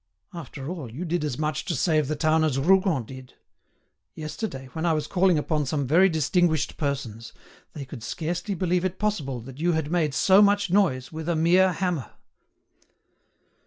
After all, you did as much to save the town as Rougon did. Yesterday, when I was calling upon some very distinguished persons, they could scarcely believe it possible that you had made so much noise with a mere hammer."